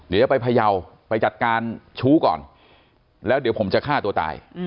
เดี๋ยวจะไปพยาวไปจัดการชู้ก่อนแล้วเดี๋ยวผมจะฆ่าตัวตาย